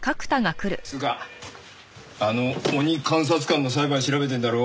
っつうかあの鬼監察官の裁判調べてるんだろ？